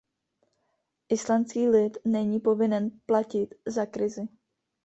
Islandský lid není povinen platit za krizi.